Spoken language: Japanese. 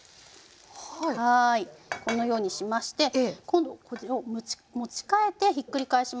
このようにしまして今度これを持ち替えてひっくり返します。